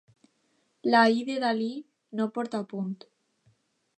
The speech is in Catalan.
La i de Dalí no porta punt.